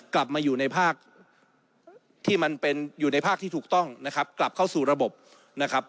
กลับมาอยู่ในภาคที่มันเป็นอยู่ในภาคที่ถูกต้องนะครับกลับเข้าสู่ระบบนะครับ